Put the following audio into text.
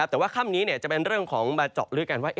แต่ว่าค่ำนี้จะเป็นเรื่องของมาเจาะลึกกันว่า